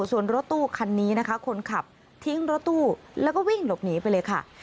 ส่วนรถตู้คันนี้นะคะคนขับทิ้งรถตู้แล้วก็วิ่งหลบหนีไปเลยค่ะ